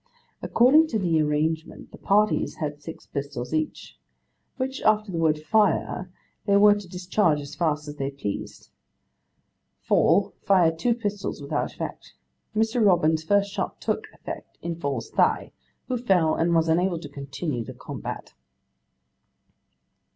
According to the arrangement, the parties had six pistols each, which, after the word "Fire!" they were to discharge as fast as they pleased. Fall fired two pistols without effect. Mr. Robbins' first shot took effect in Fall's thigh, who fell, and was unable to continue the combat.